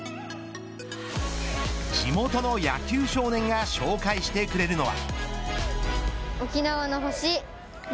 地元の野球少年が紹介してくれるのは。